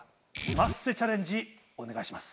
マッセチャレンジお願いします。